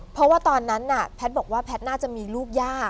เพราะว่าตอนนั้นแพทย์บอกว่าแพทย์น่าจะมีลูกยาก